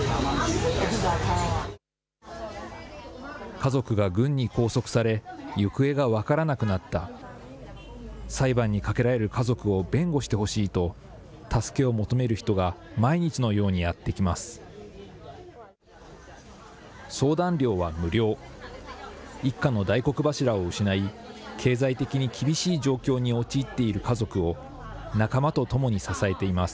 家族が軍に拘束され、行方が分からなくなった、裁判にかけられる家族を弁護してほしいと、助けを求める人が毎日のようにやって来ます。